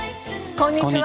こんにちは。